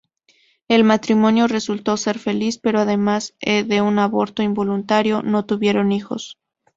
El matrimonio resultó ser feliz, pero además de un aborto involuntario, no tuvieron hijos.